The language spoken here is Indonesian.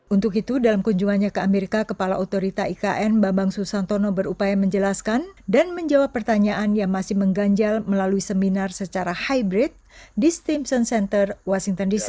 untuk itu dalam kunjungannya ke amerika kepala otorita ikn bambang susantono berupaya menjelaskan dan menjawab pertanyaan yang masih mengganjal melalui seminar secara hybrid di stemson center washington dc